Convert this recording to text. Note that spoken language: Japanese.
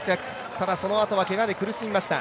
ただそのあとはけがで苦しみました。